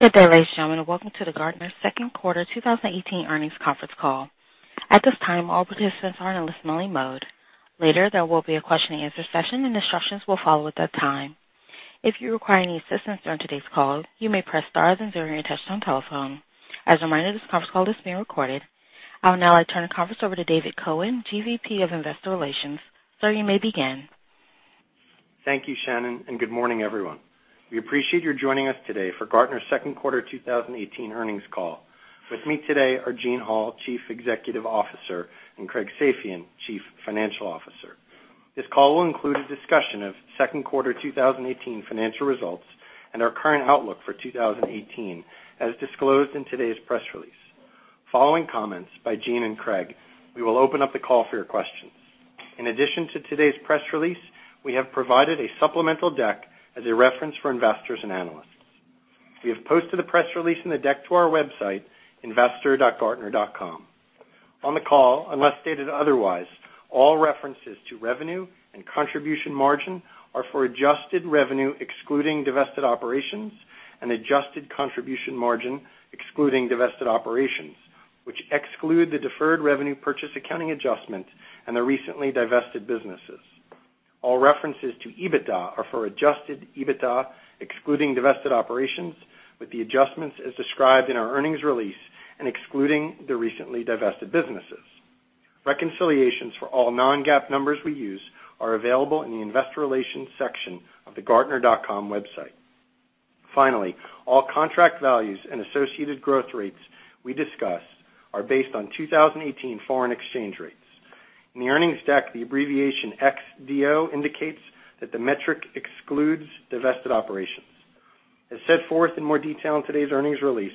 Good day, ladies and gentlemen. Welcome to the Gartner second quarter 2018 earnings conference call. At this time, all participants are in a listening mode. Later, there will be a question and answer session, and instructions will follow at that time. If you require any assistance during today's call, you may press star then zero on your touchtone telephone. As a reminder, this conference call is being recorded. I will now turn the conference over to David Cohen, GVP of Investor Relations. Sir, you may begin. Thank you, Shannon, and good morning, everyone. We appreciate you joining us today for Gartner's second quarter 2018 earnings call. With me today are Gene Hall, Chief Executive Officer, and Craig Safian, Chief Financial Officer. This call will include a discussion of second quarter 2018 financial results and our current outlook for 2018, as disclosed in today's press release. Following comments by Gene and Craig, we will open up the call for your questions. In addition to today's press release, we have provided a supplemental deck as a reference for investors and analysts. We have posted the press release and the deck to our website, investor.gartner.com. On the call, unless stated otherwise, all references to revenue and contribution margin are for adjusted revenue excluding divested operations and adjusted contribution margin excluding divested operations, which exclude the deferred revenue purchase accounting adjustment and the recently divested businesses. All references to EBITDA are for adjusted EBITDA excluding divested operations, with the adjustments as described in our earnings release and excluding the recently divested businesses. Reconciliations for all non-GAAP numbers we use are available in the investor relations section of the gartner.com website. Finally, all contract values and associated growth rates we discuss are based on 2018 foreign exchange rates. In the earnings deck, the abbreviation xDO indicates that the metric excludes divested operations. As set forth in more detail in today's earnings release,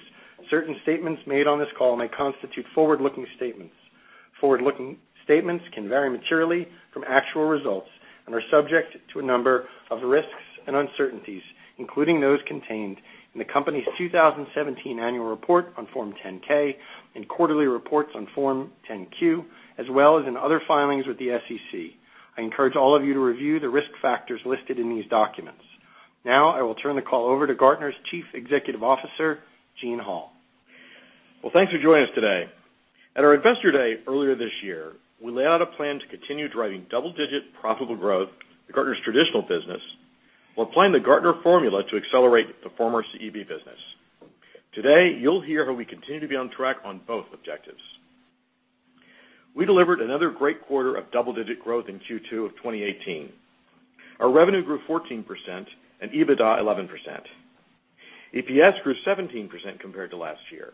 certain statements made on this call may constitute forward-looking statements. Forward-looking statements can vary materially from actual results and are subject to a number of risks and uncertainties, including those contained in the company's 2017 annual report on Form 10-K and quarterly reports on Form 10-Q, as well as in other filings with the SEC. I encourage all of you to review the risk factors listed in these documents. Now, I will turn the call over to Gartner's Chief Executive Officer, Gene Hall. Well, thanks for joining us today. At our Investor Day earlier this year, we laid out a plan to continue driving double-digit profitable growth to Gartner's traditional business while applying the Gartner Formula to accelerate the former CEB business. Today, you will hear how we continue to be on track on both objectives. We delivered another great quarter of double-digit growth in Q2 of 2018. Our revenue grew 14%, and EBITDA 11%. EPS grew 17% compared to last year.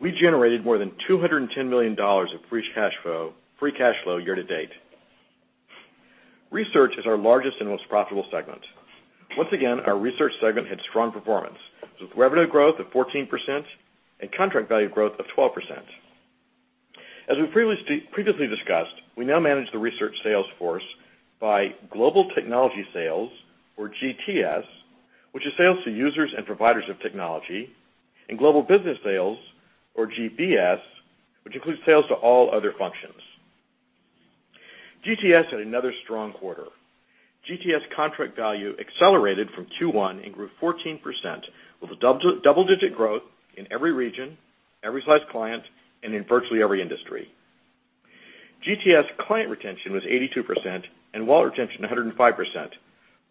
We generated more than $210 million of free cash flow year to date. Research is our largest and most profitable segment. Once again, our research segment had strong performance with revenue growth of 14% and contract value growth of 12%. As we previously discussed, we now manage the research sales force by Global Technology Sales, or GTS, which is sales to users and providers of technology, and Global Business Sales, or GBS, which includes sales to all other functions. GTS had another strong quarter. GTS contract value accelerated from Q1 and grew 14%, with a double-digit growth in every region, every size client, and in virtually every industry. GTS client retention was 82%, and wallet retention, 105%,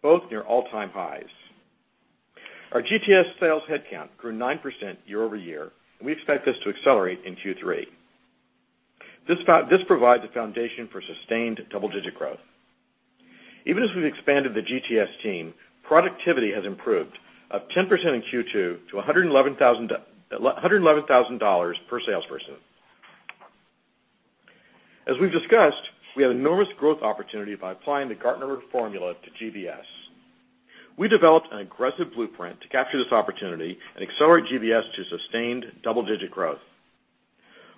both near all-time highs. Our GTS sales headcount grew 9% year-over-year, and we expect this to accelerate in Q3. This provides a foundation for sustained double-digit growth. Even as we have expanded the GTS team, productivity has improved up 10% in Q2 to $111,000 per salesperson. As we have discussed, we have enormous growth opportunity by applying the Gartner Formula to GBS. We developed an aggressive blueprint to capture this opportunity and accelerate GBS to sustained double-digit growth.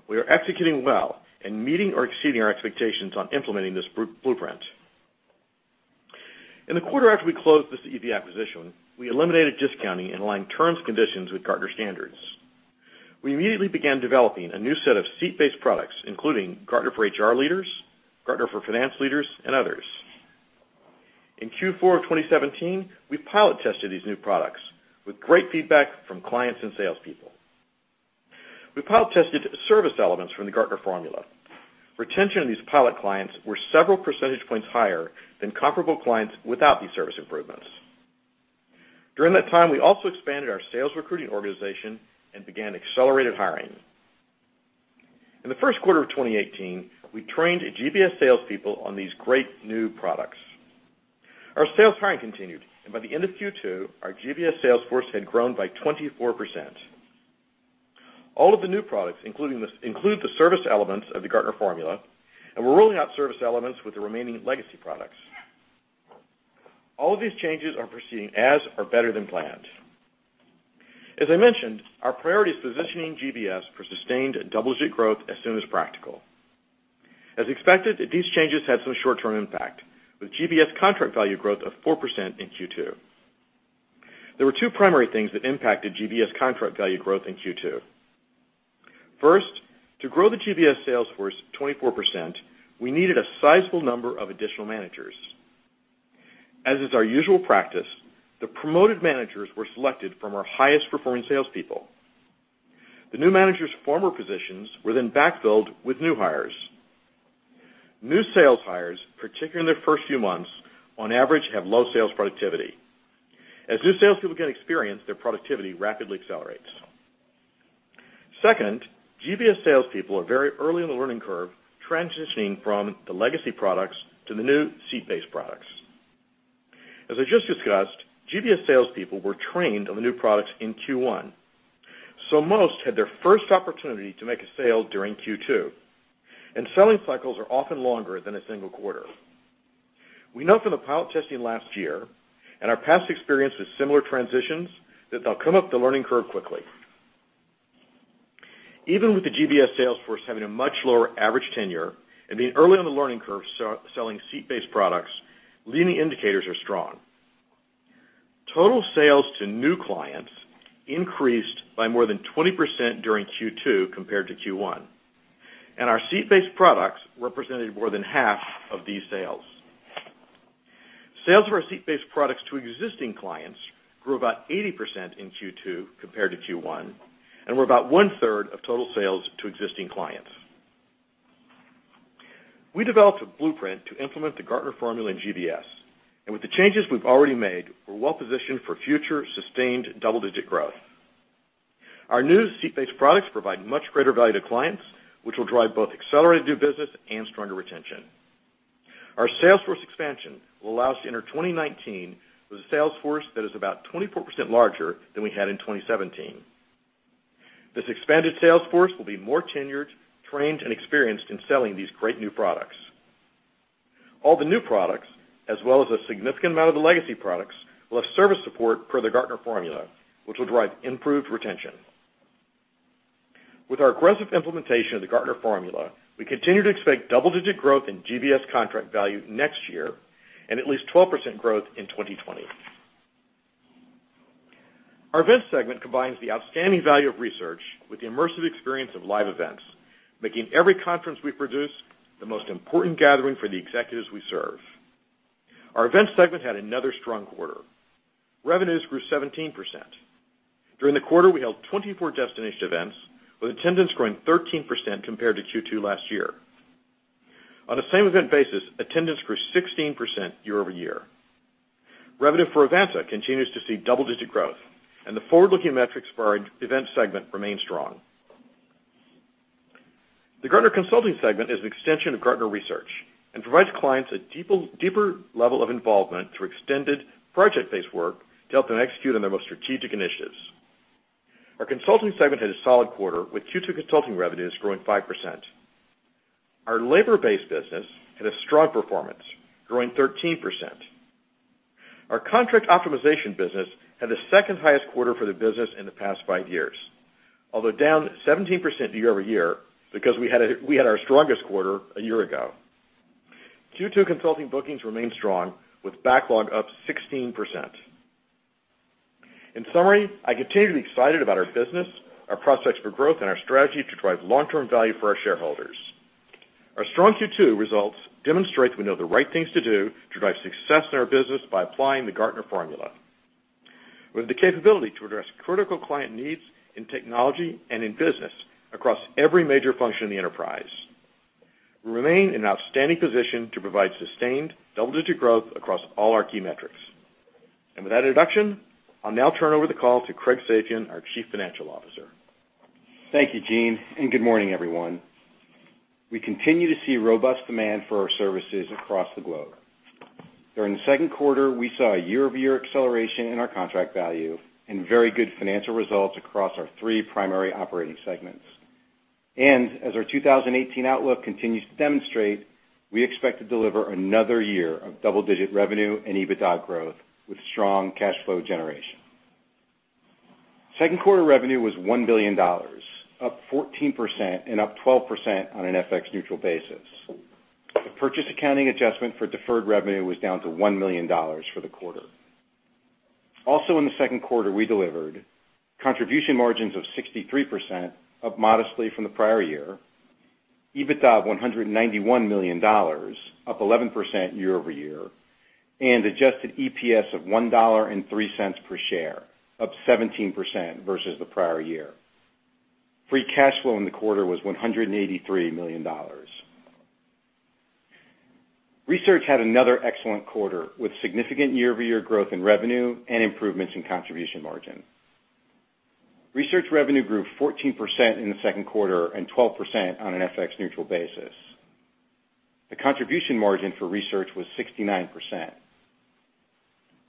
We are executing well and meeting or exceeding our expectations on implementing this blueprint. In the quarter after we closed the CEB acquisition, we eliminated discounting and aligned terms and conditions with Gartner standards. We immediately began developing a new set of seat-based products, including Gartner for HR Leaders, Gartner for Finance Leaders, and others. In Q4 of 2017, we pilot tested these new products with great feedback from clients and salespeople. We pilot tested service elements from the Gartner Formula. Retention of these pilot clients were several percentage points higher than comparable clients without these service improvements. During that time, we also expanded our sales recruiting organization and began accelerated hiring. In the first quarter of 2018, we trained GBS salespeople on these great new products. Our sales hiring continued, and by the end of Q2, our GBS sales force had grown by 24%. All of the new products include the service elements of the Gartner Formula, and we are rolling out service elements with the remaining legacy products. All of these changes are proceeding as or better than planned. As I mentioned, our priority is positioning GBS for sustained double-digit growth as soon as practical. As expected, these changes had some short-term impact, with GBS contract value growth of 4% in Q2. There were two primary things that impacted GBS contract value growth in Q2. First, to grow the GBS sales force 24%, we needed a sizable number of additional managers. As is our usual practice, the promoted managers were selected from our highest performing salespeople. The new managers' former positions were backfilled with new hires. New sales hires, particularly in their first few months, on average, have low sales productivity. As new salespeople gain experience, their productivity rapidly accelerates. GBS salespeople are very early in the learning curve, transitioning from the legacy products to the new seat-based products. As I just discussed, GBS salespeople were trained on the new products in Q1. Most had their first opportunity to make a sale during Q2. Selling cycles are often longer than a single quarter. We know from the pilot testing last year, and our past experience with similar transitions, that they'll come up the learning curve quickly. Even with the GBS sales force having a much lower average tenure and being early on the learning curve selling seat-based products, leading indicators are strong. Total sales to new clients increased by more than 20% during Q2 compared to Q1, our seat-based products represented more than half of these sales. Sales of our seat-based products to existing clients grew about 80% in Q2 compared to Q1, were about one-third of total sales to existing clients. We developed a blueprint to implement the Gartner Formula in GBS, with the changes we've already made, we're well-positioned for future sustained double-digit growth. Our new seat-based products provide much greater value to clients, which will drive both accelerated new business and stronger retention. Our sales force expansion will allow us to enter 2019 with a sales force that is about 24% larger than we had in 2017. This expanded sales force will be more tenured, trained, and experienced in selling these great new products. All the new products, as well as a significant amount of the legacy products, will have service support per the Gartner Formula, which will drive improved retention. With our aggressive implementation of the Gartner Formula, we continue to expect double-digit growth in GBS contract value next year and at least 12% growth in 2020. Our Events Segment combines the outstanding value of research with the immersive experience of live events, making every conference we produce the most important gathering for the executives we serve. Our Events Segment had another strong quarter. Revenues grew 17%. During the quarter, we held 24 destination events, with attendance growing 13% compared to Q2 last year. On a same event basis, attendance grew 16% year-over-year. Revenue for Events continues to see double-digit growth, the forward-looking metrics for our Events Segment remain strong. The Gartner Consulting Segment is an extension of Gartner Research, provides clients a deeper level of involvement through extended project-based work to help them execute on their most strategic initiatives. Our Consulting Segment had a solid quarter with Q2 consulting revenues growing 5%. Our labor-based business had a strong performance, growing 13%. Our contract optimization business had the second highest quarter for the business in the past five years. Although down 17% year-over-year because we had our strongest quarter a year ago. Q2 consulting bookings remain strong with backlog up 16%. In summary, I continue to be excited about our business, our prospects for growth, our strategy to drive long-term value for our shareholders. Our strong Q2 results demonstrate we know the right things to do to drive success in our business by applying the Gartner Formula. With the capability to address critical client needs in technology and in business across every major function in the enterprise, we remain in an outstanding position to provide sustained double-digit growth across all our key metrics. With that introduction, I'll now turn over the call to Craig Safian, our Chief Financial Officer. Thank you, Gene, and good morning, everyone. We continue to see robust demand for our services across the globe. During the second quarter, we saw a year-over-year acceleration in our contract value and very good financial results across our three primary operating segments. As our 2018 outlook continues to demonstrate, we expect to deliver another year of double-digit revenue and EBITDA growth with strong cash flow generation. Second quarter revenue was $1 billion, up 14% and up 12% on an FX neutral basis. The purchase accounting adjustment for deferred revenue was down to $1 million for the quarter. Also in the second quarter, we delivered contribution margins of 63%, up modestly from the prior year, EBITDA of $191 million, up 11% year-over-year, and adjusted EPS of $1.03 per share, up 17% versus the prior year. Free cash flow in the quarter was $183 million. Research had another excellent quarter, with significant year-over-year growth in revenue and improvements in contribution margin. Research revenue grew 14% in the second quarter and 12% on an FX neutral basis. The contribution margin for research was 69%.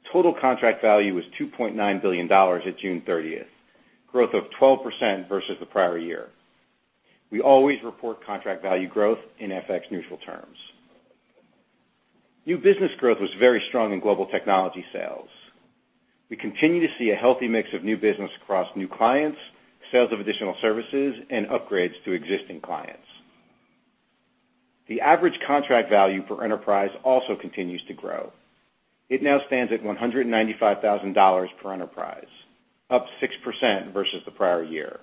Total contract value was $2.9 billion at June 30th, growth of 12% versus the prior year. We always report contract value growth in FX neutral terms. New business growth was very strong in Global Technology Sales. We continue to see a healthy mix of new business across new clients, sales of additional services, and upgrades to existing clients. The average contract value per enterprise also continues to grow. It now stands at $195,000 per enterprise, up 6% versus the prior year.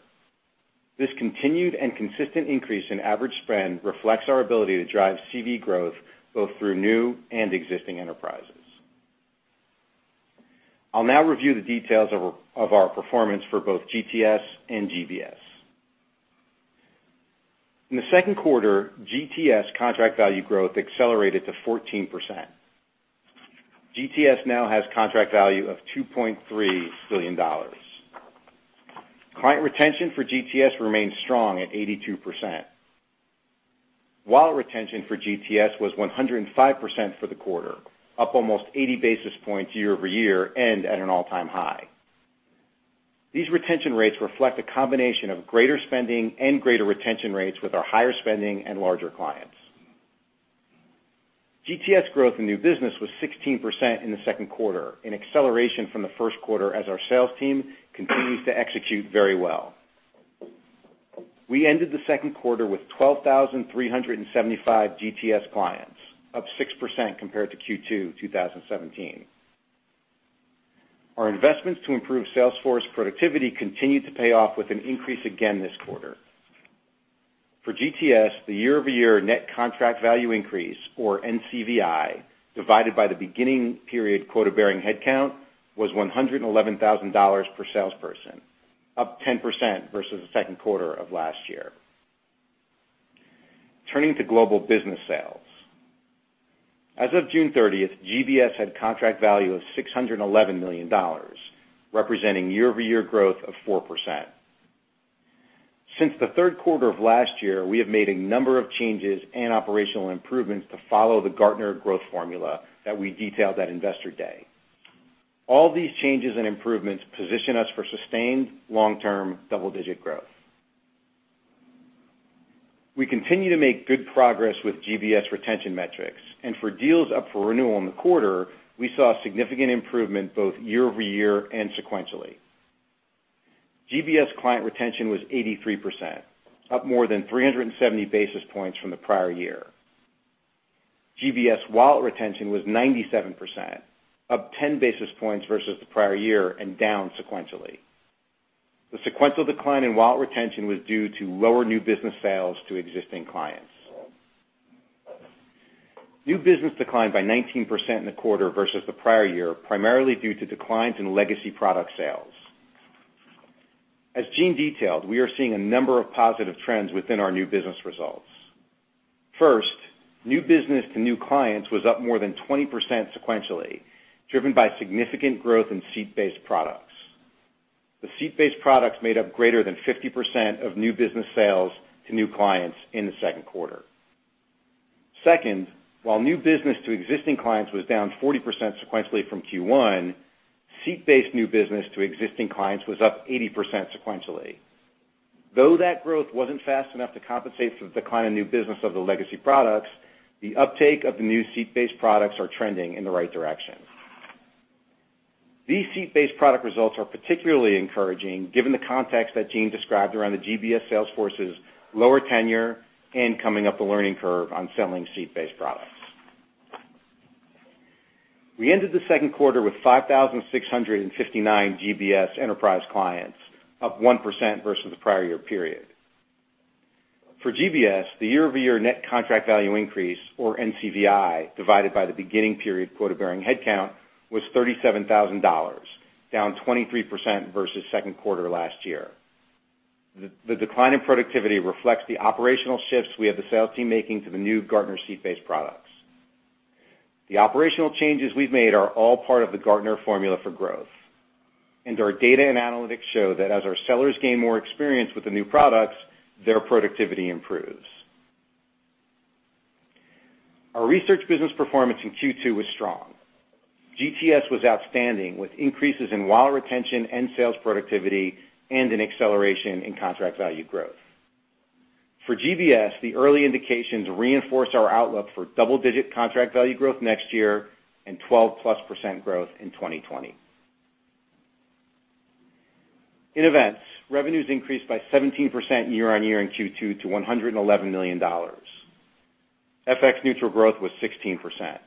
This continued and consistent increase in average spend reflects our ability to drive CV growth both through new and existing enterprises. I'll now review the details of our performance for both GTS and GBS. In the second quarter, GTS contract value growth accelerated to 14%. GTS now has contract value of $2.3 billion. Client retention for GTS remains strong at 82%. Wallet retention for GTS was 105% for the quarter, up almost 80 basis points year-over-year, and at an all-time high. These retention rates reflect a combination of greater spending and greater retention rates with our higher spending and larger clients. GTS growth in new business was 16% in the second quarter, an acceleration from the first quarter as our sales team continues to execute very well. We ended the second quarter with 12,375 GTS clients, up 6% compared to Q2 2017. Our investments to improve sales force productivity continued to pay off with an increase again this quarter. For GTS, the year-over-year net contract value increase, or NCVI, divided by the beginning period quota-bearing headcount was $111,000 per salesperson, up 10% versus the second quarter of last year. Turning to Global Business Sales. As of June 30th, GBS had contract value of $611 million, representing year-over-year growth of 4%. Since the third quarter of last year, we have made a number of changes and operational improvements to follow the Gartner Growth Formula that we detailed at Investor Day. All these changes and improvements position us for sustained long-term double-digit growth. We continue to make good progress with GBS retention metrics, and for deals up for renewal in the quarter, we saw a significant improvement both year-over-year and sequentially. GBS client retention was 83%, up more than 370 basis points from the prior year. GBS wallet retention was 97%, up 10 basis points versus the prior year and down sequentially. The sequential decline in wallet retention was due to lower new business sales to existing clients. New business declined by 19% in the quarter versus the prior year, primarily due to declines in legacy product sales. As Gene detailed, we are seeing a number of positive trends within our new business results. First, new business to new clients was up more than 20% sequentially, driven by significant growth in seat-based products. The seat-based products made up greater than 50% of new business sales to new clients in the second quarter. Second, while new business to existing clients was down 40% sequentially from Q1, seat-based new business to existing clients was up 80% sequentially. Though that growth wasn't fast enough to compensate for the decline of new business of the legacy products, the uptake of the new seat-based products are trending in the right direction. These seat-based product results are particularly encouraging given the context that Gene described around the GBS sales force's lower tenure and coming up the learning curve on selling seat-based products. We ended the second quarter with 5,659 GBS enterprise clients, up 1% versus the prior year period. For GBS, the year-over-year net contract value increase, or NCVI, divided by the beginning period quota-bearing headcount was $37,000, down 23% versus second quarter last year. The decline in productivity reflects the operational shifts we have the sales team making to the new Gartner seat-based products. The operational changes we've made are all part of the Gartner Formula for growth. Our data and analytics show that as our sellers gain more experience with the new products, their productivity improves. Our research business performance in Q2 was strong. GTS was outstanding, with increases in wallet retention and sales productivity, and an acceleration in contract value growth. For GBS, the early indications reinforce our outlook for double-digit contract value growth next year and 12-plus percent growth in 2020. In events, revenues increased by 17% year-on-year in Q2 to $111 million. FX neutral growth was 16%.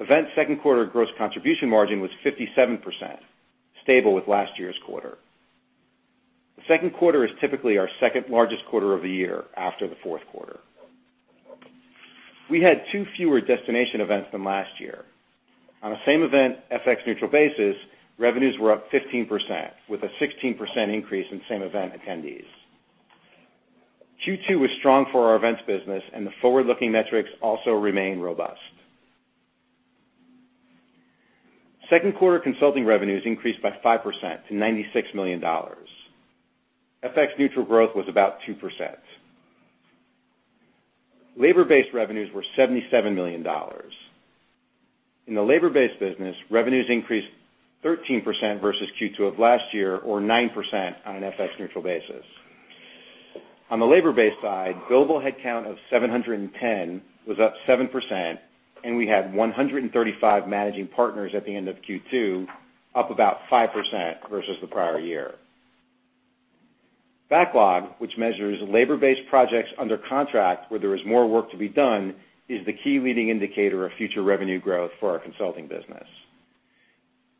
Events' second quarter gross contribution margin was 57%, stable with last year's quarter. The second quarter is typically our second-largest quarter of the year after the fourth quarter. We had two fewer destination events than last year. On a same event FX neutral basis, revenues were up 15%, with a 16% increase in same event attendees. Q2 was strong for our events business, and the forward-looking metrics also remain robust. Second quarter consulting revenues increased by 5% to $96 million. FX neutral growth was about 2%. Labor-based revenues were $77 million. In the labor-based business, revenues increased 13% versus Q2 of last year, or 9% on an FX neutral basis. On the labor-based side, global headcount of 710 was up 7%, and we had 135 managing partners at the end of Q2, up about 5% versus the prior year. Backlog, which measures labor-based projects under contract where there is more work to be done, is the key leading indicator of future revenue growth for our consulting business.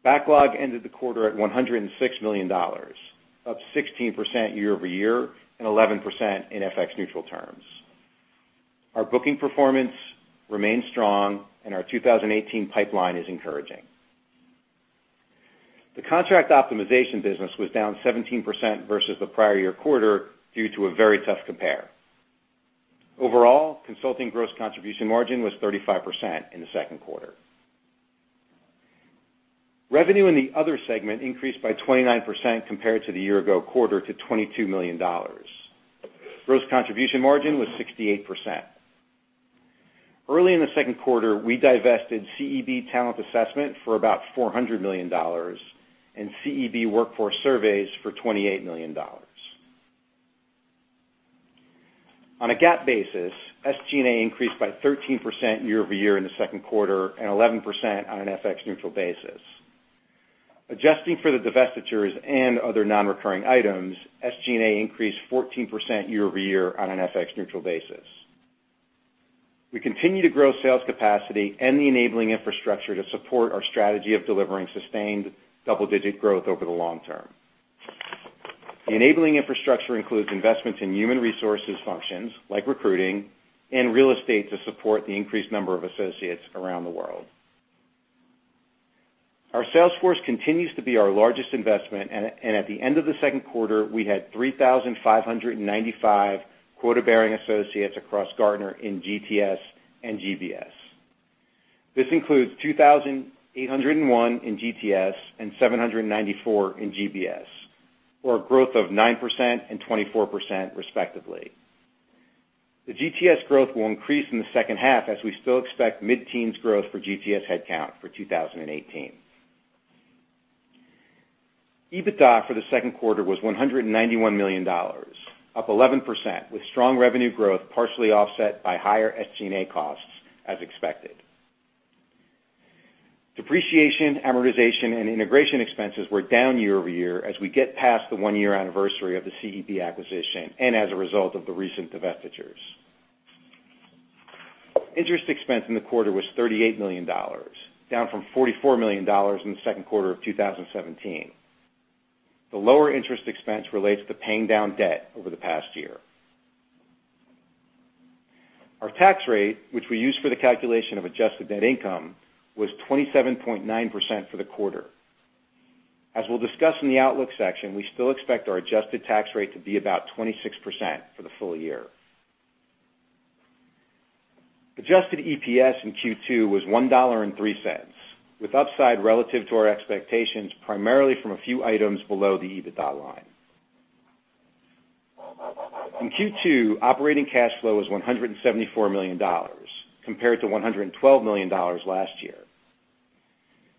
Backlog ended the quarter at $106 million, up 16% year-over-year and 11% in FX neutral terms. Our booking performance remains strong, and our 2018 pipeline is encouraging. The contract optimization business was down 17% versus the prior year quarter due to a very tough compare. Overall, consulting gross contribution margin was 35% in the second quarter. Revenue in the other segment increased by 29% compared to the year ago quarter to $22 million. Gross contribution margin was 68%. Early in the second quarter, we divested CEB Talent Assessment for about $400 million and CEB Workforce Surveys and Analytics for $28 million. On a GAAP basis, SG&A increased by 13% year-over-year in the second quarter and 11% on an FX neutral basis. Adjusting for the divestitures and other non-recurring items, SG&A increased 14% year-over-year on an FX neutral basis. We continue to grow sales capacity and the enabling infrastructure to support our strategy of delivering sustained double-digit growth over the long term. The enabling infrastructure includes investments in human resources functions, like recruiting, and real estate to support the increased number of associates around the world. Our sales force continues to be our largest investment, and at the end of the second quarter, we had 3,595 quota-bearing associates across Gartner in GTS and GBS. This includes 2,801 in GTS and 794 in GBS, or a growth of 9% and 24% respectively. The GTS growth will increase in the second half as we still expect mid-teens growth for GTS headcount for 2018. EBITDA for the second quarter was $191 million, up 11%, with strong revenue growth partially offset by higher SG&A costs as expected. Depreciation, amortization, and integration expenses were down year-over-year as we get past the one-year anniversary of the CEB acquisition and as a result of the recent divestitures. Interest expense in the quarter was $38 million, down from $44 million in the second quarter of 2017. The lower interest expense relates to paying down debt over the past year. Our tax rate, which we use for the calculation of adjusted net income, was 27.9% for the quarter. As we'll discuss in the outlook section, we still expect our adjusted tax rate to be about 26% for the full year. Adjusted EPS in Q2 was $1.03, with upside relative to our expectations, primarily from a few items below the EBITDA line. In Q2, operating cash flow was $174 million compared to $112 million last year.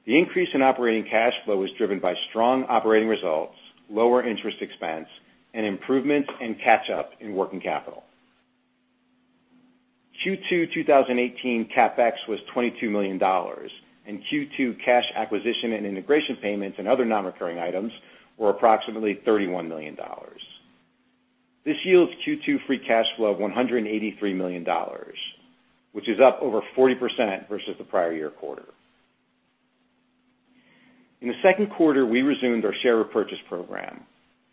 The increase in operating cash flow was driven by strong operating results, lower interest expense, and improvement and catch-up in working capital. Q2 2018 CapEx was $22 million, and Q2 cash acquisition and integration payments and other non-recurring items were approximately $31 million. This yields Q2 free cash flow of $183 million, which is up over 40% versus the prior year quarter. In the second quarter, we resumed our share repurchase program,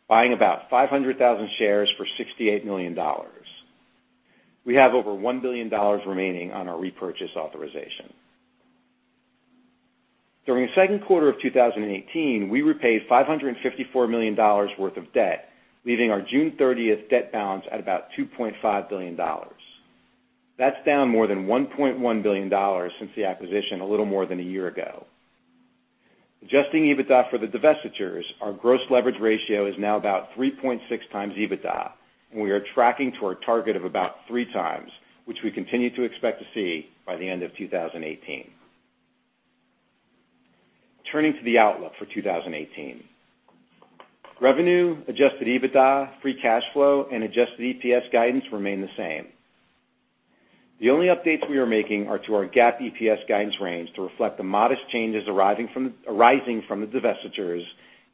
buying about 500,000 shares for $68 million. We have over $1 billion remaining on our repurchase authorization. During the second quarter of 2018, we repaid $554 million worth of debt, leaving our June 30th debt balance at about $2.5 billion. That's down more than $1.1 billion since the acquisition a little more than a year ago. Adjusting EBITDA for the divestitures, our gross leverage ratio is now about 3.6 times EBITDA, and we are tracking to our target of about 3x, which we continue to expect to see by the end of 2018. Turning to the outlook for 2018. Revenue, adjusted EBITDA, free cash flow, and adjusted EPS guidance remain the same. The only updates we are making are to our GAAP EPS guidance range to reflect the modest changes arising from the divestitures,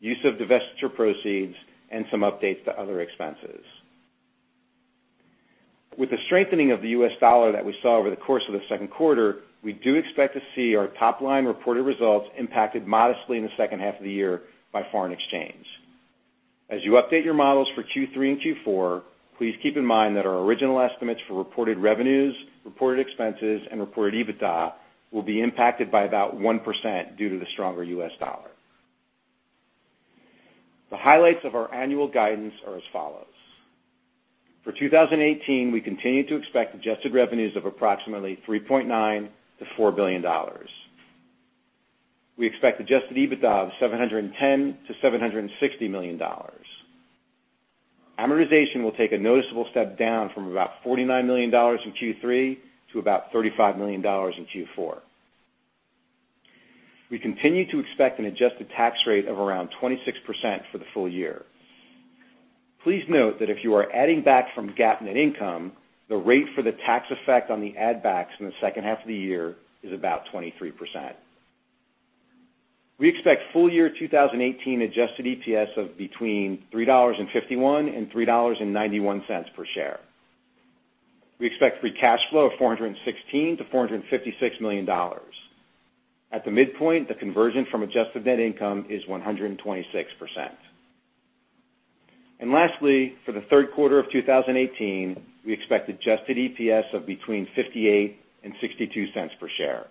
use of divestiture proceeds, and some updates to other expenses. With the strengthening of the U.S. dollar that we saw over the course of the second quarter, we do expect to see our top-line reported results impacted modestly in the second half of the year by foreign exchange. As you update your models for Q3 and Q4, please keep in mind that our original estimates for reported revenues, reported expenses, and reported EBITDA will be impacted by about 1% due to the stronger U.S. dollar. The highlights of our annual guidance are as follows. For 2018, we continue to expect adjusted revenues of approximately $3.9 billion-$4 billion. We expect adjusted EBITDA of $710 million-$760 million. Amortization will take a noticeable step down from about $49 million in Q3 to about $35 million in Q4. We continue to expect an adjusted tax rate of around 26% for the full year. Please note that if you are adding back from GAAP net income, the rate for the tax effect on the add backs in the second half of the year is about 23%. We expect full year 2018 adjusted EPS of between $3.51 and $3.91 per share. We expect free cash flow of $416 million-$456 million. At the midpoint, the conversion from adjusted net income is 126%. Lastly, for the third quarter of 2018, we expect adjusted EPS of between $0.58 and $0.62 per share.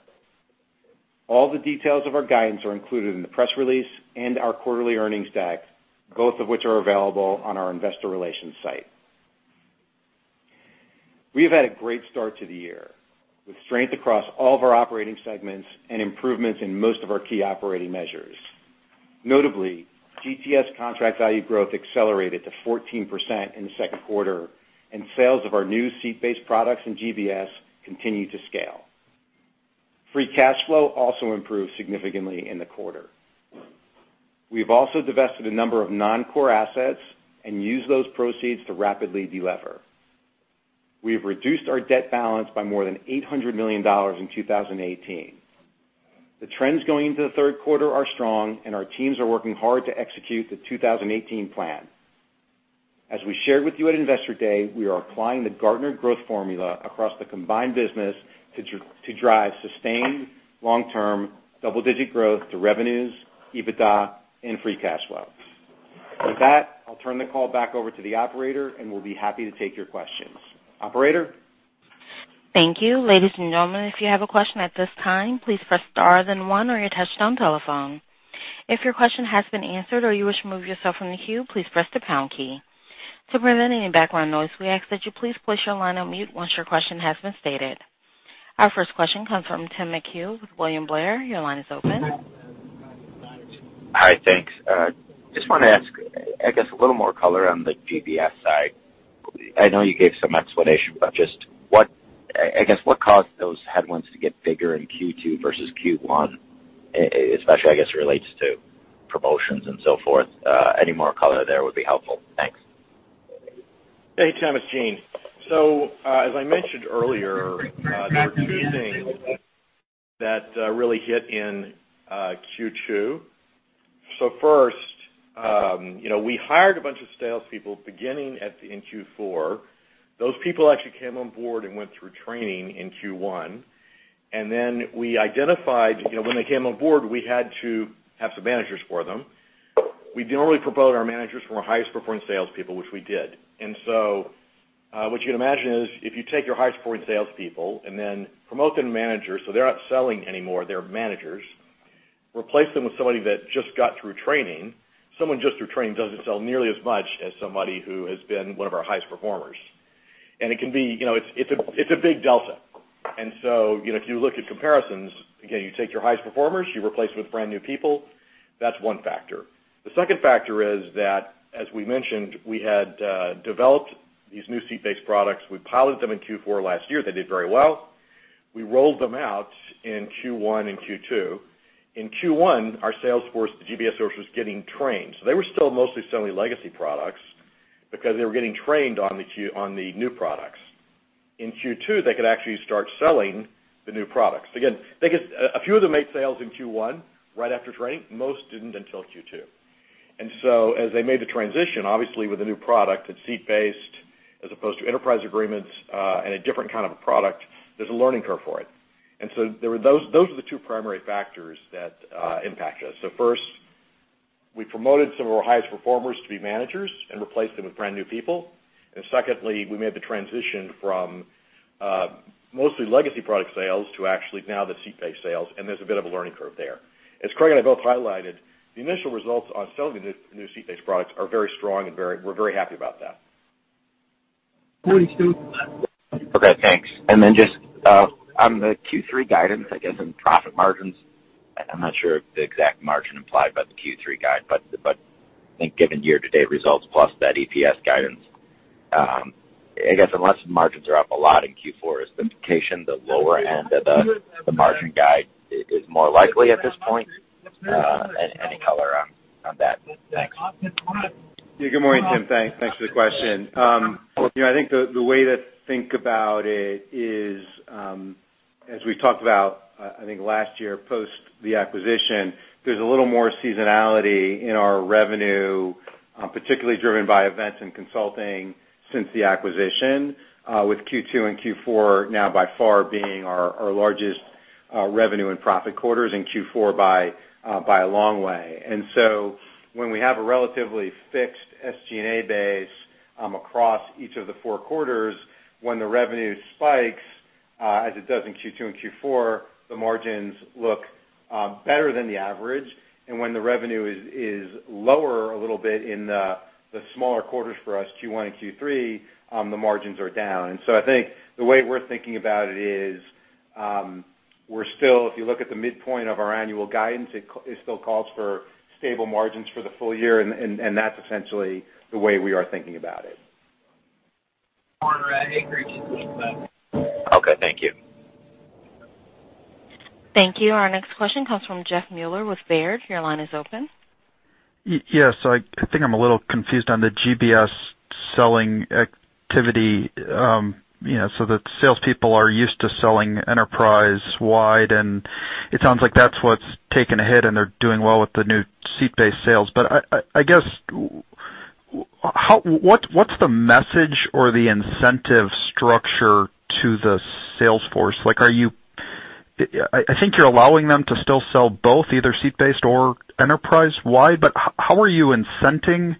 All the details of our guidance are included in the press release and our quarterly earnings deck, both of which are available on our investor relations site. We have had a great start to the year, with strength across all of our operating segments and improvements in most of our key operating measures. Notably, GTS contract value growth accelerated to 14% in the second quarter, and sales of our new seat-based products in GBS continue to scale. Free cash flow also improved significantly in the quarter. We've also divested a number of non-core assets and used those proceeds to rapidly de-lever. We have reduced our debt balance by more than $800 million in 2018. The trends going into the third quarter are strong, and our teams are working hard to execute the 2018 plan. As we shared with you at Investor Day, we are applying the Gartner Growth Formula across the combined business to drive sustained long-term double-digit growth to revenues, EBITDA, and free cash flow. With that, I'll turn the call back over to the operator, and we'll be happy to take your questions. Operator? Thank you. Ladies and gentlemen, if you have a question at this time, please press star then one on your touchtone telephone. If your question has been answered or you wish to remove yourself from the queue, please press the pound key. To prevent any background noise, we ask that you please place your line on mute once your question has been stated. Our first question comes from Timothy McHugh with William Blair. Your line is open. Hi. Thanks. Just wanted to ask, I guess, a little more color on the GBS side. I know you gave some explanation, but just, I guess, what caused those headwinds to get bigger in Q2 versus Q1, especially, I guess, relates to promotions and so forth? Any more color there would be helpful. Thanks. Hey, Tim, it's Gene. As I mentioned earlier, there are two things that really hit in Q2. First, we hired a bunch of salespeople beginning in Q4. Those people actually came on board and went through training in Q1. We identified when they came on board, we had to have some managers for them. We normally promote our managers from our highest-performing salespeople, which we did. What you can imagine is if you take your highest-performing salespeople and then promote them to managers, so they're not selling anymore, they're managers, replace them with somebody that just got through training. Someone just through training doesn't sell nearly as much as somebody who has been one of our highest performers. It's a big delta. If you look at comparisons, again, you take your highest performers, you replace them with brand-new people. That's one factor. The second factor is that, as we mentioned, we had developed these new seat-based products. We piloted them in Q4 last year. They did very well. We rolled them out in Q1 and Q2. In Q1, our sales force, the GBS sales force, was getting trained, so they were still mostly selling legacy products because they were getting trained on the new products. In Q2, they could actually start selling the new products. Again, a few of them made sales in Q1 right after training. Most didn't until Q2. As they made the transition, obviously with a new product, it's seat-based as opposed to enterprise agreements, and a different kind of a product, there's a learning curve for it. Those are the two primary factors that impact us. First, we promoted some of our highest performers to be managers and replaced them with brand-new people. Secondly, we made the transition from mostly legacy product sales to actually now the seat-based sales, and there's a bit of a learning curve there. As Craig and I both highlighted, the initial results on selling the new seat-based products are very strong and we're very happy about that. Okay, thanks. Just on the Q3 guidance, I guess, in profit margins, I'm not sure of the exact margin implied by the Q3 guide, but I think given year-to-date results plus that EPS guidance, I guess unless margins are up a lot in Q4, is the implication the lower end of the margin guide is more likely at this point? Any color on that? Thanks. Yeah. Good morning, Tim. Thanks for the question. I think the way to think about it is, as we talked about, I think last year post the acquisition, there's a little more seasonality in our revenue, particularly driven by events and consulting since the acquisition, with Q2 and Q4 now by far being our largest revenue and profit quarters, and Q4 by a long way. When we have a relatively fixed SG&A base across each of the four quarters, when the revenue spikes, as it does in Q2 and Q4, the margins look better than the average. When the revenue is lower a little bit in the smaller quarters for us, Q1 and Q3, the margins are down. I think the way we're thinking about it is, if you look at the midpoint of our annual guidance, it still calls for stable margins for the full year, and that's essentially the way we are thinking about it. Okay. Thank you. Thank you. Our next question comes from Jeffrey Meuler with Baird. Your line is open. Yes. I think I'm a little confused on the GBS selling activity. The salespeople are used to selling enterprise-wide, and it sounds like that's what's taken a hit, and they're doing well with the new seat-based sales. I guess, what's the message or the incentive structure to the sales force? I think you're allowing them to still sell both, either seat-based or enterprise-wide, but how are you incenting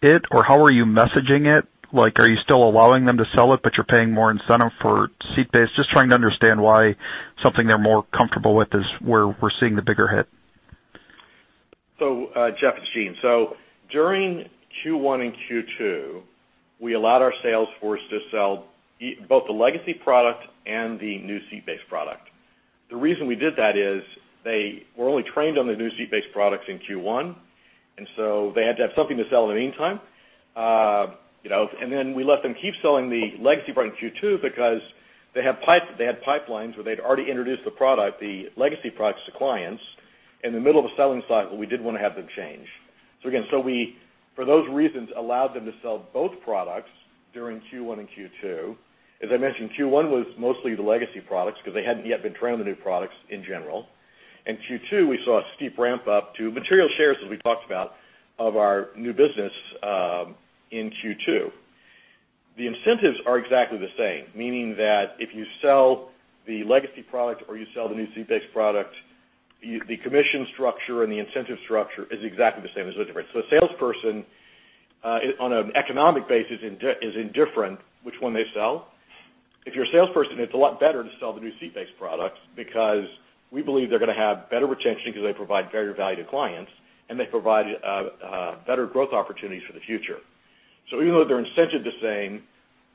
it, or how are you messaging it? Are you still allowing them to sell it, but you're paying more incentive for seat-based? Just trying to understand why something they're more comfortable with is where we're seeing the bigger hit. Jeff, it's Gene. During Q1 and Q2, we allowed our sales force to sell both the legacy product and the new seat-based product. The reason we did that is they were only trained on the new seat-based products in Q1, and they had to have something to sell in the meantime. Then we let them keep selling the legacy product in Q2 because they had pipelines where they'd already introduced the product, the legacy products, to clients in the middle of a selling cycle. We didn't want to have them change. We, for those reasons, allowed them to sell both products during Q1 and Q2. As I mentioned, Q1 was mostly the legacy products because they hadn't yet been trained on the new products in general. In Q2, we saw a steep ramp-up to material shares, as we talked about, of our new business in Q2. The incentives are exactly the same, meaning that if you sell the legacy product or you sell the new seat-based product, the commission structure and the incentive structure is exactly the same. There's no difference. A salesperson, on an economic basis, is indifferent which one they sell. If you're a salesperson, it's a lot better to sell the new seat-based products because we believe they're going to have better retention because they provide better value to clients, and they provide better growth opportunities for the future. Even though their incentive is the same,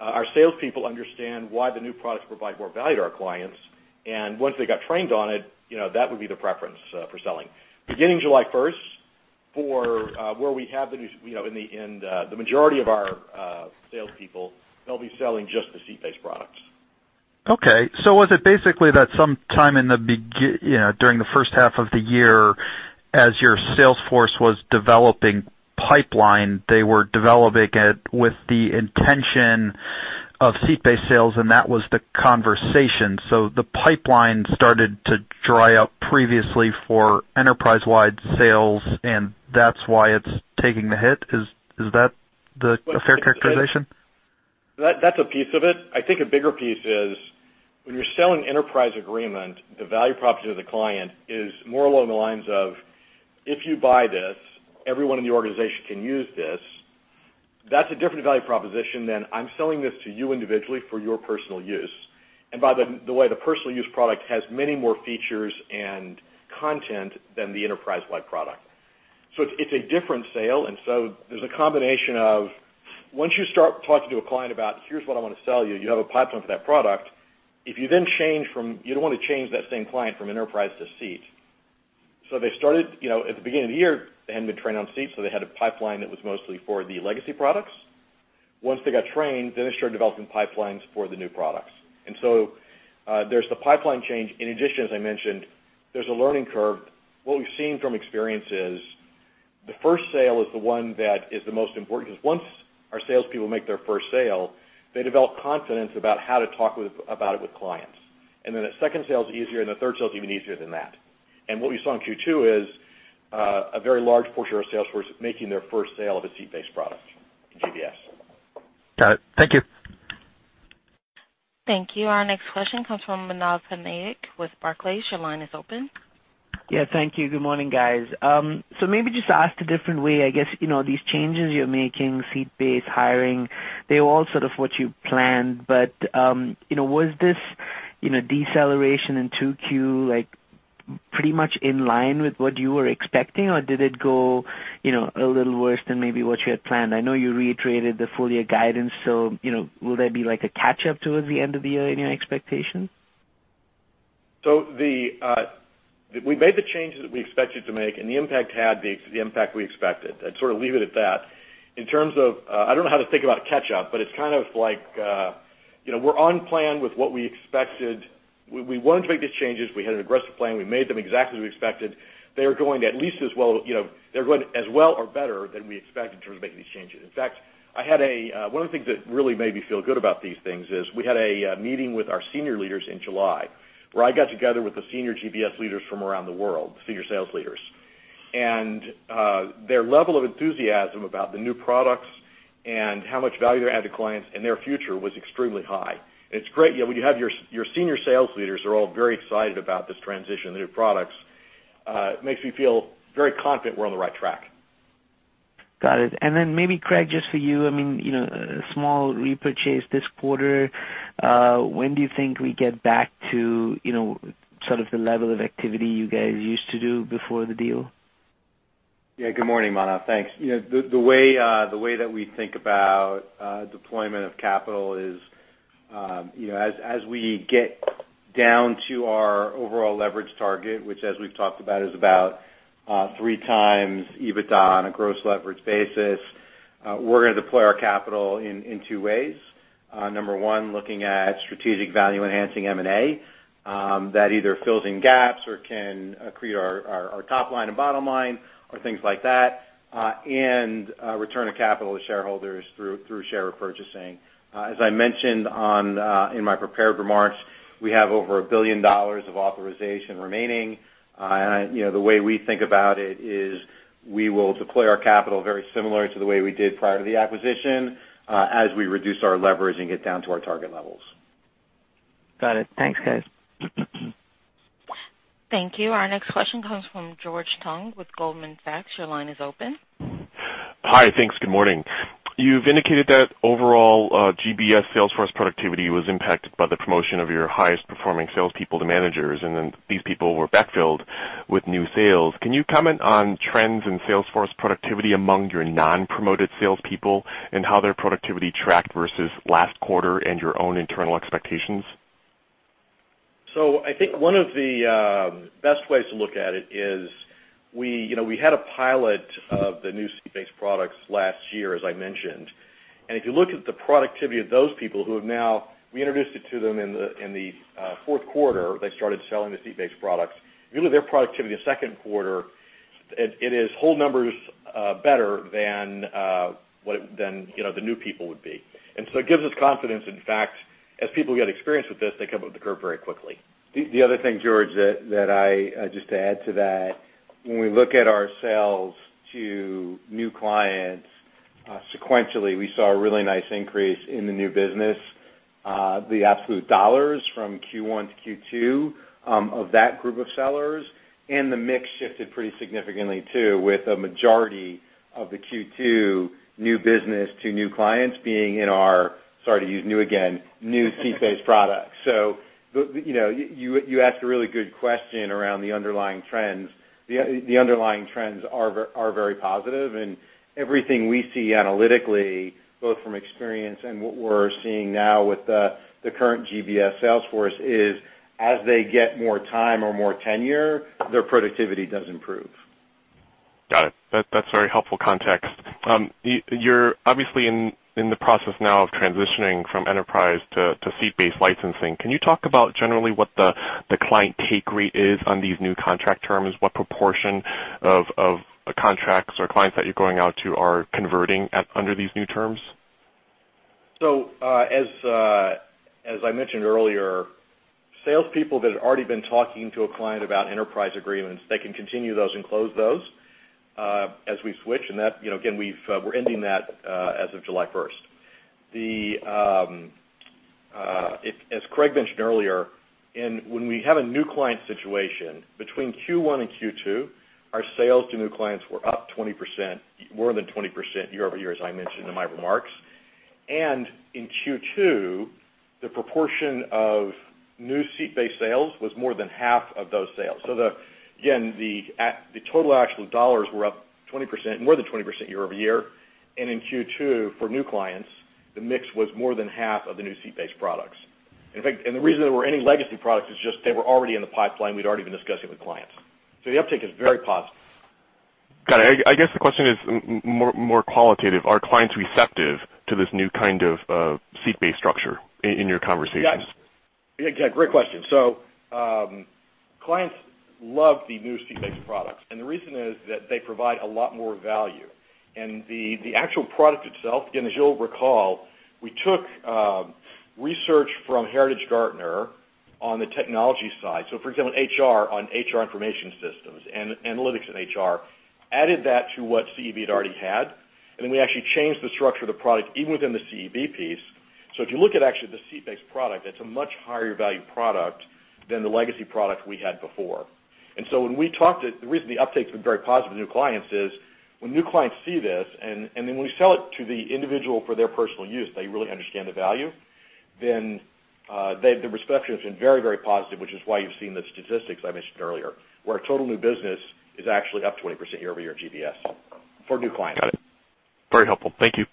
our salespeople understand why the new products provide more value to our clients. Once they got trained on it, that would be the preference for selling. Beginning July 1st, the majority of our salespeople, they'll be selling just the seat-based products. Okay. Was it basically that sometime during the first half of the year as your sales force was developing pipeline, they were developing it with the intention of seat-based sales, and that was the conversation. The pipeline started to dry up previously for enterprise-wide sales, and that's why it's taking the hit. Is that a fair characterization? That's a piece of it. I think a bigger piece is when you're selling enterprise agreement, the value proposition to the client is more along the lines of, if you buy this, everyone in the organization can use this. That's a different value proposition than I'm selling this to you individually for your personal use. By the way, the personal use product has many more features and content than the enterprise-wide product. It's a different sale, there's a combination of once you start talking to a client about, "Here's what I want to sell you," you have a pipeline for that product. You don't want to change that same client from enterprise to seat. They started at the beginning of the year, they hadn't been trained on seat, they had a pipeline that was mostly for the legacy products. Once they got trained, they started developing pipelines for the new products. There's the pipeline change. In addition, as I mentioned, there's a learning curve. What we've seen from experience is the first sale is the one that is the most important, because once our salespeople make their first sale, they develop confidence about how to talk about it with clients. The second sale is easier, the third sale is even easier than that. What we saw in Q2 is a very large portion of our sales force making their first sale of a seat-based product in GBS. Got it. Thank you. Thank you. Our next question comes from Manav Patnaik with Barclays. Your line is open. Yeah. Thank you. Good morning, guys. Maybe just asked a different way, I guess these changes you're making, seat based, hiring, they're all sort of what you planned. Was this deceleration in 2Q pretty much in line with what you were expecting, or did it go a little worse than maybe what you had planned? I know you reiterated the full year guidance, will there be a catch up towards the end of the year in your expectations? We made the changes that we expected to make, and the impact had the impact we expected. I'd sort of leave it at that. In terms of, I don't know how to think about catch up, it's kind of like we're on plan with what we expected. We wanted to make these changes. We had an aggressive plan. We made them exactly as we expected. They're going as well or better than we expected in terms of making these changes. In fact, one of the things that really made me feel good about these things is we had a meeting with our senior leaders in July, where I got together with the senior GBS leaders from around the world, senior sales leaders. Their level of enthusiasm about the new products and how much value they add to clients and their future was extremely high. It's great when you have your senior sales leaders are all very excited about this transition to new products. Makes me feel very confident we're on the right track. Got it. Maybe, Craig, just for you, a small repurchase this quarter. When do you think we get back to sort of the level of activity you guys used to do before the deal? Yeah, good morning, Manav. Thanks. The way that we think about deployment of capital is as we get down to our overall leverage target, which as we've talked about, is about 3x EBITDA on a gross leverage basis. We're going to deploy our capital in two ways. Number one, looking at strategic value-enhancing M&A that either fills in gaps or can accrete our top line and bottom line or things like that, and return of capital to shareholders through share repurchasing. As I mentioned in my prepared remarks, we have over $1 billion of authorization remaining. The way we think about it is we will deploy our capital very similarly to the way we did prior to the acquisition, as we reduce our leverage and get down to our target levels. Got it. Thanks, guys. Thank you. Our next question comes from George Tong with Goldman Sachs. Your line is open. Hi. Thanks. Good morning. You've indicated that overall GBS sales force productivity was impacted by the promotion of your highest-performing salespeople to managers, and then these people were backfilled with new sales. Can you comment on trends in sales force productivity among your non-promoted salespeople, and how their productivity tracked versus last quarter and your own internal expectations? I think one of the best ways to look at it is, we had a pilot of the new seat-based products last year, as I mentioned. If you look at the productivity of those people, we introduced it to them in the fourth quarter, they started selling the seat-based products. If you look at their productivity in the second quarter, it is whole numbers better than the new people would be. It gives us confidence. In fact, as people get experience with this, they come up the curve very quickly. The other thing, George, just to add to that, when we look at our sales to new clients sequentially, we saw a really nice increase in the new business. The absolute dollars from Q1 to Q2 of that group of sellers, and the mix shifted pretty significantly too, with a majority of the Q2 new business to new clients being in our, sorry to use new again, new seat-based products. You asked a really good question around the underlying trends. The underlying trends are very positive, everything we see analytically, both from experience and what we're seeing now with the current GBS sales force is, as they get more time or more tenure, their productivity does improve. Got it. That's very helpful context. You're obviously in the process now of transitioning from enterprise to seat-based licensing. Can you talk about generally what the client take rate is on these new contract terms? What proportion of the contracts or clients that you're going out to are converting under these new terms? As I mentioned earlier, salespeople that had already been talking to a client about enterprise agreements, they can continue those and close those as we switch, again, we're ending that as of July 1st. As Craig mentioned earlier, when we have a new client situation, between Q1 and Q2, our sales to new clients were up more than 20% year-over-year, as I mentioned in my remarks. In Q2, the proportion of new seat-based sales was more than half of those sales. Again, the total actual dollars were up more than 20% year-over-year, and in Q2 for new clients, the mix was more than half of the new seat-based products. In fact, the reason there were any legacy products is just they were already in the pipeline. We'd already been discussing with clients. The uptick is very positive. Got it. I guess the question is more qualitative. Are clients receptive to this new kind of seat-based structure in your conversations? Yeah. Great question. Clients love the new seat-based products, and the reason is that they provide a lot more value. The actual product itself, again, as you'll recall, we took research from Heritage Gartner on the technology side. For example, HR on HR information systems, analytics in HR, added that to what CEB had already had, then we actually changed the structure of the product, even within the CEB piece. If you look at actually the seat-based product, it's a much higher value product than the legacy product we had before. The reason the uptake's been very positive with new clients is, when new clients see this, and then when we sell it to the individual for their personal use, they really understand the value. The reception has been very positive, which is why you've seen the statistics I mentioned earlier, where our total new business is actually up 20% year-over-year at GBS for new clients. Got it. Very helpful. Thank you.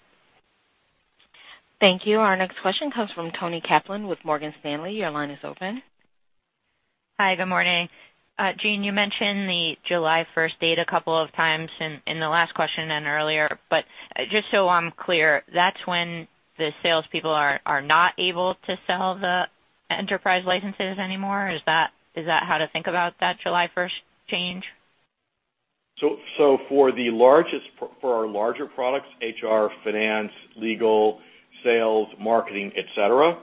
Thank you. Our next question comes from Toni Kaplan with Morgan Stanley. Your line is open. Hi. Good morning. Gene, you mentioned the July 1st date a couple of times in the last question and earlier. Just so I'm clear, that's when the salespeople are not able to sell the enterprise licenses anymore? Is that how to think about that July 1st change? For our larger products, HR, finance, legal, sales, marketing, et cetera,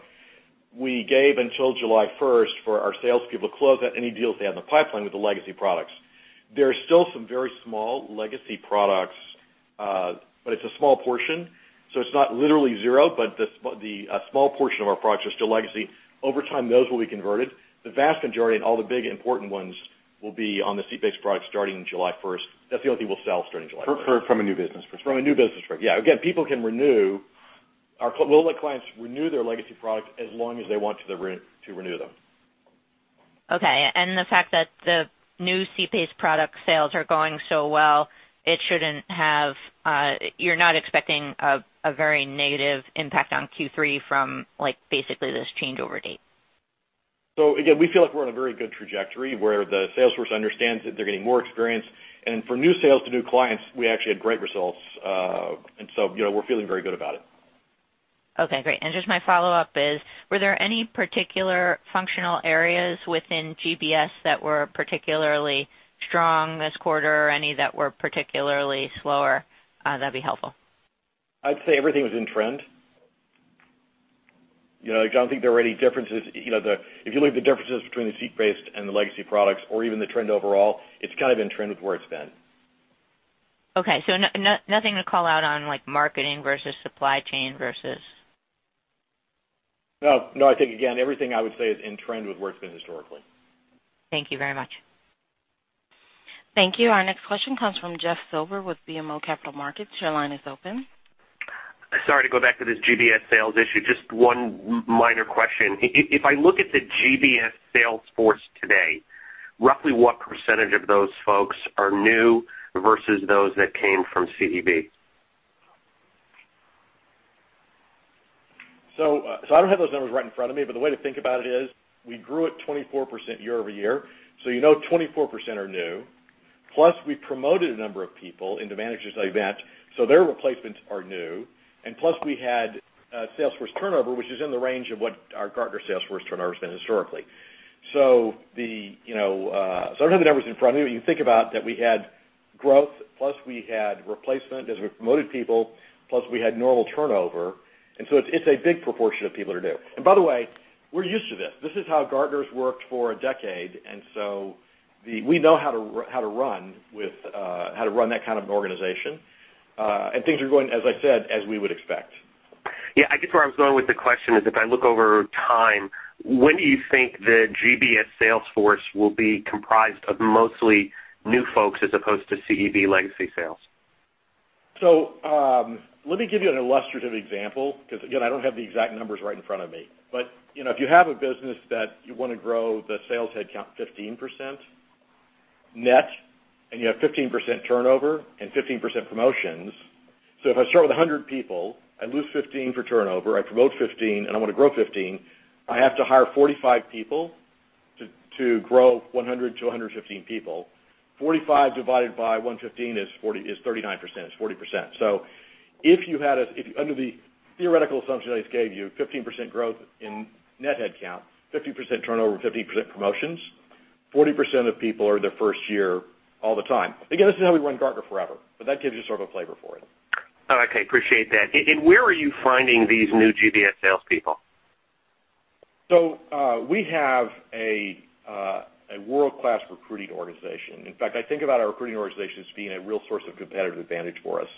we gave until July 1st for our salespeople to close out any deals they had in the pipeline with the legacy products. There are still some very small legacy products. It's a small portion. It's not literally zero. A small portion of our products are still legacy. Over time, those will be converted. The vast majority and all the big important ones will be on the seat-based product starting July 1st. That's the only thing we'll sell starting July 1st. From a new business perspective. From a new business perspective. Yeah. Again, people can renew. We'll let clients renew their legacy product as long as they want to renew them. Okay. The fact that the new seat-based product sales are going so well, you're not expecting a very negative impact on Q3 from basically this changeover date? Again, we feel like we're on a very good trajectory where the sales force understands that they're getting more experience. For new sales to new clients, we actually had great results. We're feeling very good about it. Okay, great. Just my follow-up is, were there any particular functional areas within GBS that were particularly strong this quarter? Or any that were particularly slower? That'd be helpful. I'd say everything was in trend. I don't think there were any differences. If you look at the differences between the seat-based and the legacy products, or even the trend overall, it's kind of in trend with where it's been. Okay. Nothing to call out on marketing versus supply chain versus No. I think, again, everything I would say is in trend with where it's been historically. Thank you very much. Thank you. Our next question comes from Jeffrey Silber with BMO Capital Markets. Your line is open. Sorry to go back to this GBS sales issue, just one minor question. If I look at the GBS sales force today, roughly what % of those folks are new versus those that came from CEB? I don't have those numbers right in front of me, but the way to think about it is, we grew it 24% year-over-year. You know 24% are new. Plus, we promoted a number of people into managers and events, so their replacements are new. Plus, we had a sales force turnover, which is in the range of what our Gartner sales force turnover has been historically. I don't have the numbers in front of me, but you can think about that we had growth, plus we had replacement as we promoted people, plus we had normal turnover, and so it's a big proportion of people that are new. By the way, we're used to this. This is how Gartner's worked for a decade, and so we know how to run that kind of an organization. Things are going, as I said, as we would expect. I guess where I was going with the question is if I look over time, when do you think the GBS sales force will be comprised of mostly new folks as opposed to CEB legacy sales? Let me give you an illustrative example, because again, I don't have the exact numbers right in front of me. If you have a business that you want to grow the sales headcount 15% net, and you have 15% turnover and 15% promotions. If I start with 100 people, I lose 15 for turnover, I promote 15, and I want to grow 15, I have to hire 45 people to grow 100 to 115 people. 45 divided by 115 is 39%, it's 40%. Under the theoretical assumption that I just gave you, 15% growth in net headcount, 15% turnover, 15% promotions, 40% of people are their first year all the time. This is how we run Gartner forever, but that gives you sort of a flavor for it. Appreciate that. Where are you finding these new GBS salespeople? We have a world-class recruiting organization. In fact, I think about our recruiting organization as being a real source of competitive advantage for us.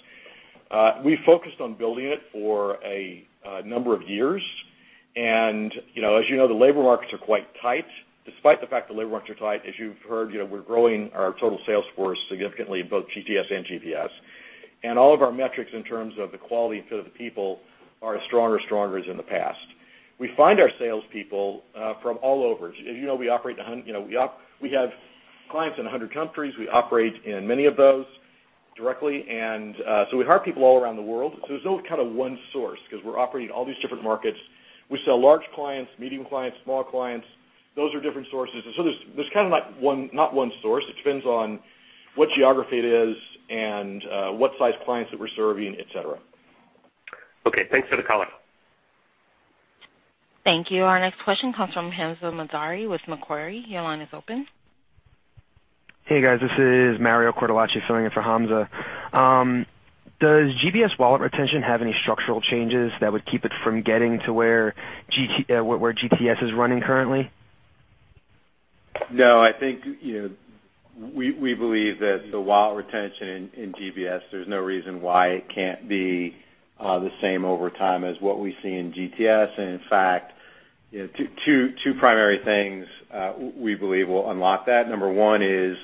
We focused on building it for a number of years, and as you know, the labor markets are quite tight. Despite the fact the labor markets are tight, as you've heard, we're growing our total sales force significantly in both GTS and GBS. All of our metrics in terms of the quality for the people are as strong or stronger as in the past. We find our salespeople from all over. As you know, we have clients in 100 countries. We operate in many of those directly, we hire people all around the world. There's no kind of one source, because we're operating in all these different markets. We sell large clients, medium clients, small clients. Those are different sources. There's kind of not one source. It depends on what geography it is and what size clients that we're serving, et cetera. Okay, thanks for the color. Thank you. Our next question comes from Hamza Madari with Macquarie. Your line is open. Hey, guys, this is Mario Cortellucci filling in for Hamza. Does GBS wallet retention have any structural changes that would keep it from getting to where GTS is running currently? No, I think we believe that the wallet retention in GBS, there's no reason why it can't be the same over time as what we see in GTS. In fact, two primary things we believe will unlock that. Number one is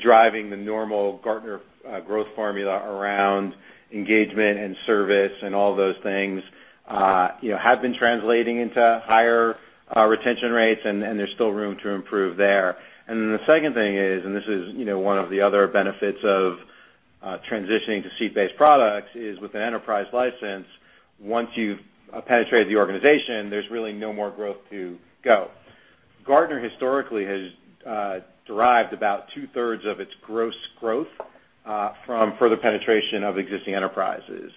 driving the normal Gartner Growth Formula around engagement and service and all those things have been translating into higher retention rates, and there's still room to improve there. Then the second thing is, this is one of the other benefits of transitioning to seat-based products, is with an enterprise license, once you've penetrated the organization, there's really no more growth to go. Gartner historically has derived about two-thirds of its gross growth from further penetration of existing enterprises.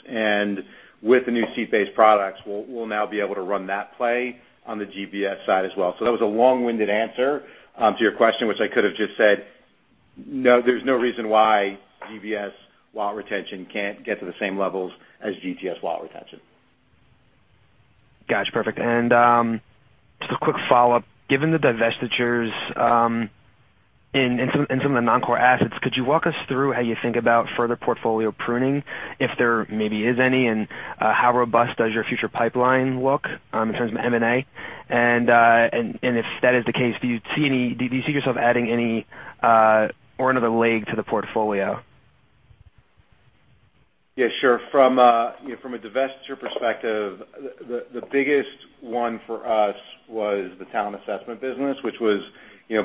With the new seat-based products, we'll now be able to run that play on the GBS side as well. That was a long-winded answer to your question, which I could have just said, no, there's no reason why GBS wallet retention can't get to the same levels as GTS wallet retention. Got you. Perfect. Just a quick follow-up. Given the divestitures in some of the non-core assets, could you walk us through how you think about further portfolio pruning, if there maybe is any, and how robust does your future pipeline look in terms of M&A? If that is the case, do you see yourself adding any or another leg to the portfolio? Yeah, sure. From a divestiture perspective, the biggest one for us was the CEB Talent Assessment business, which was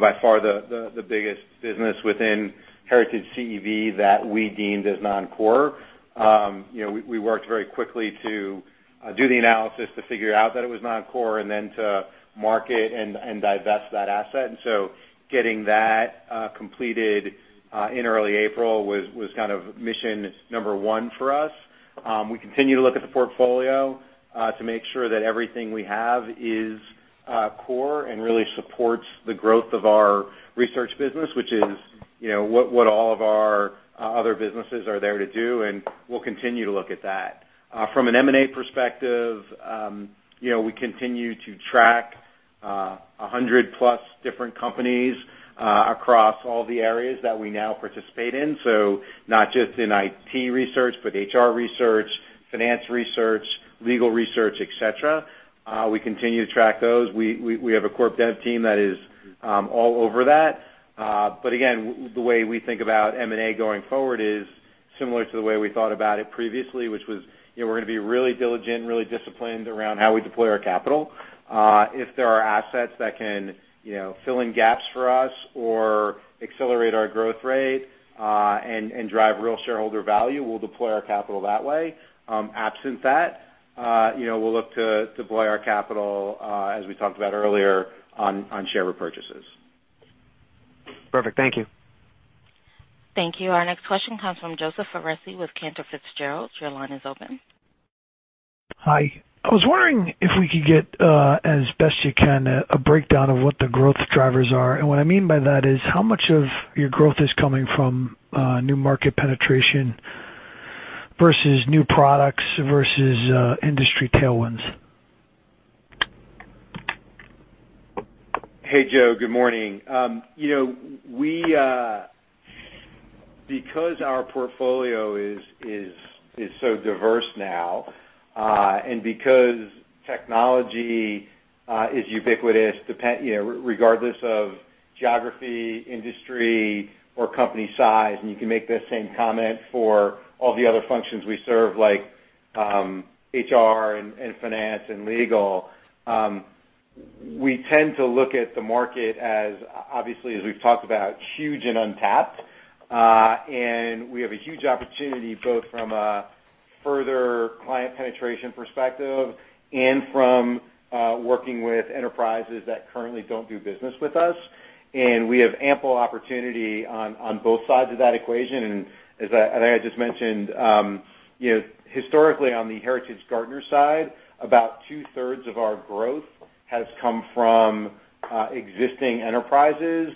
by far the biggest business within Heritage CEB that we deemed as non-core. We worked very quickly to do the analysis to figure out that it was non-core, then to market and divest that asset. Getting that completed in early April was mission number one for us. We continue to look at the portfolio to make sure that everything we have is core and really supports the growth of our research business, which is what all of our other businesses are there to do, and we'll continue to look at that. From an M&A perspective, we continue to track 100-plus different companies across all the areas that we now participate in. Not just in IT research, but HR research, finance research, legal research, et cetera. We continue to track those. We have a corp dev team that is all over that. Again, the way we think about M&A going forward is similar to the way we thought about it previously, which was, we're going to be really diligent and really disciplined around how we deploy our capital. If there are assets that can fill in gaps for us or accelerate our growth rate, and drive real shareholder value, we'll deploy our capital that way. Absent that, we'll look to deploy our capital, as we talked about earlier, on share repurchases. Perfect. Thank you. Thank you. Our next question comes from Joseph Foresi with Cantor Fitzgerald. Your line is open. Hi. I was wondering if we could get, as best you can, a breakdown of what the growth drivers are. What I mean by that is how much of your growth is coming from new market penetration versus new products versus industry tailwinds? Hey, Joe. Good morning. Our portfolio is so diverse now, and because technology is ubiquitous, regardless of geography, industry, or company size, you can make that same comment for all the other functions we serve, like HR and finance and legal. We tend to look at the market as, obviously, as we've talked about, huge and untapped. We have a huge opportunity, both from a further client penetration perspective and from working with enterprises that currently don't do business with us. We have ample opportunity on both sides of that equation. As I just mentioned, historically on the Heritage Gartner side, about two-thirds of our growth has come from existing enterprises,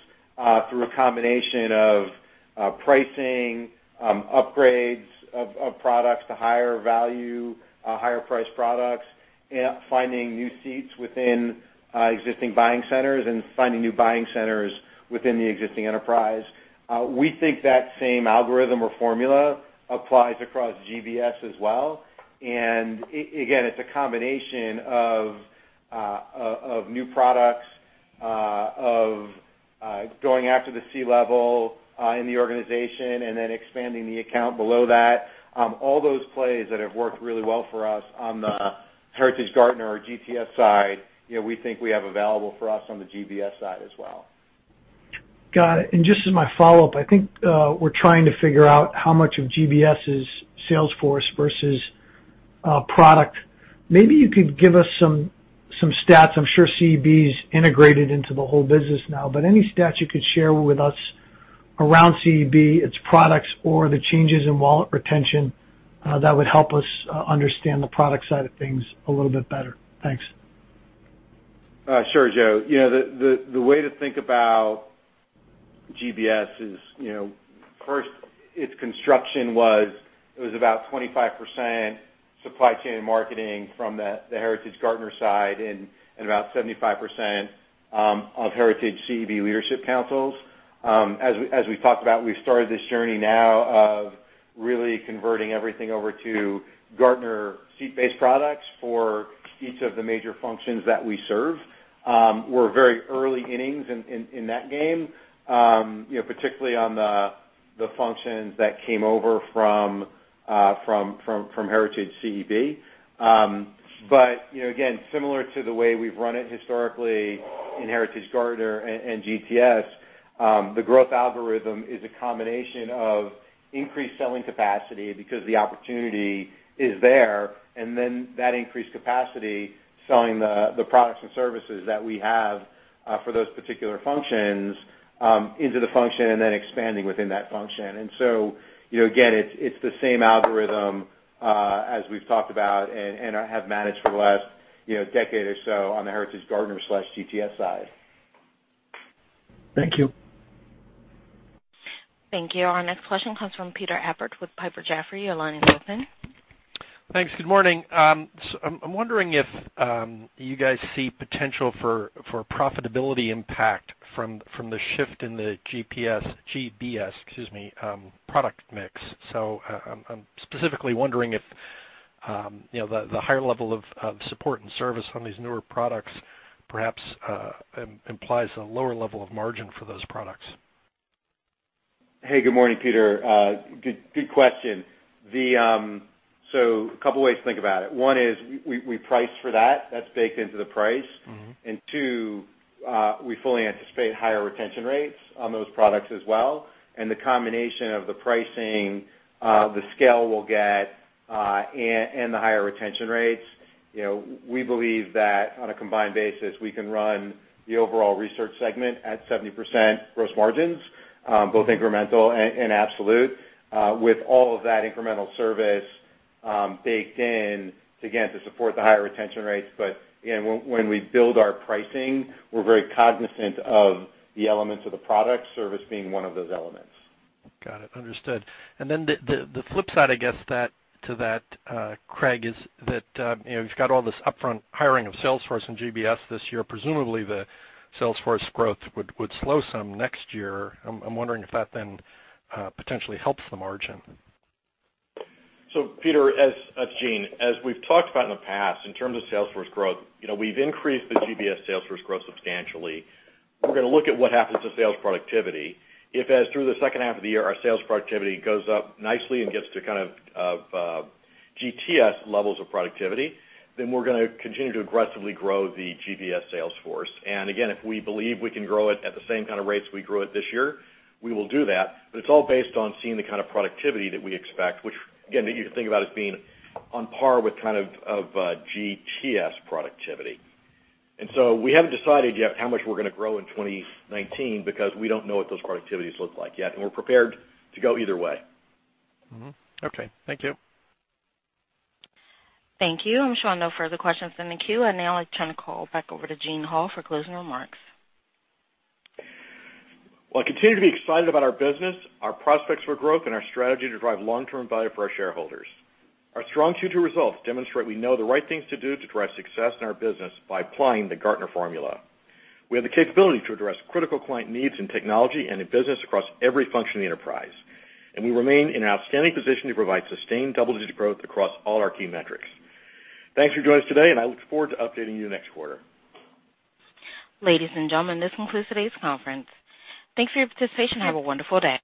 through a combination of pricing, upgrades of products to higher value, higher priced products, and finding new seats within existing buying centers and finding new buying centers within the existing enterprise. We think that same algorithm or formula applies across GBS as well. Again, it's a combination of new products, of going after the C-level in the organization and then expanding the account below that. All those plays that have worked really well for us on the Heritage Gartner or GTS side, we think we have available for us on the GBS side as well. Got it. Just as my follow-up, I think we're trying to figure out how much of GBS is sales force versus product. Maybe you could give us some stats. I'm sure CEB is integrated into the whole business now, but any stats you could share with us around CEB, its products, or the changes in wallet retention, that would help us understand the product side of things a little bit better. Thanks. Sure, Joe. The way to think about GBS is, first, its construction was about 25% supply chain and marketing from the Heritage Gartner side and about 75% of Heritage CEB leadership councils. As we've talked about, we've started this journey now of really converting everything over to Gartner seat-based products for each of the major functions that we serve. We're very early innings in that game, particularly on the functions that came over from Heritage CEB. Again, similar to the way we've run it historically in Heritage Gartner and GTS, the growth algorithm is a combination of increased selling capacity because the opportunity is there, and then that increased capacity selling the products and services that we have for those particular functions into the function and then expanding within that function. Again, it's the same algorithm as we've talked about and have managed for the last decade or so on the Heritage Gartner/GTS side. Thank you. Thank you. Our next question comes from Peter Appert with Piper Jaffray. Your line is open. Thanks. Good morning. I'm wondering if you guys see potential for profitability impact from the shift in the GBS, excuse me, product mix. I'm specifically wondering if the higher level of support and service on these newer products perhaps implies a lower level of margin for those products. Hey, good morning, Peter. Good question. A couple ways to think about it. One is we price for that. That's baked into the price. Two, we fully anticipate higher retention rates on those products as well. The combination of the pricing, the scale we'll get, and the higher retention rates, we believe that on a combined basis, we can run the overall research segment at 70% gross margins, both incremental and absolute, with all of that incremental service baked in to, again, to support the higher retention rates. When we build our pricing, we're very cognizant of the elements of the product, service being one of those elements. Got it. Understood. The flip side, I guess, to that, Craig, is that you've got all this upfront hiring of Salesforce and GBS this year. Presumably the Salesforce growth would slow some next year. I'm wondering if that potentially helps the margin. Peter, as Gene, as we've talked about in the past, in terms of sales force growth, we've increased the GBS sales force growth substantially. We're going to look at what happens to sales productivity. If as through the second half of the year, our sales productivity goes up nicely and gets to kind of GTS levels of productivity, then we're going to continue to aggressively grow the GBS sales force. Again, if we believe we can grow it at the same kind of rates we grew it this year, we will do that. It's all based on seeing the kind of productivity that we expect, which, again, that you can think about as being on par with kind of GTS productivity. We haven't decided yet how much we're going to grow in 2019 because we don't know what those productivities look like yet, and we're prepared to go either way. Okay. Thank you. Thank you. I'm showing no further questions in the queue. I'd now like to turn the call back over to Gene Hall for closing remarks. Well, I continue to be excited about our business, our prospects for growth, and our strategy to drive long-term value for our shareholders. Our strong Q2 results demonstrate we know the right things to do to drive success in our business by applying the Gartner Formula. We have the capability to address critical client needs in technology and in business across every function of the enterprise. We remain in an outstanding position to provide sustained double-digit growth across all our key metrics. Thanks for joining us today, and I look forward to updating you next quarter. Ladies and gentlemen, this concludes today's conference. Thanks for your participation. Have a wonderful day.